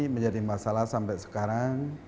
menjadi masalah sampai sekarang